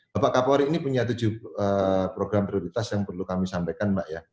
bapak kapolri ini punya tujuh program prioritas yang perlu kami sampaikan mbak ya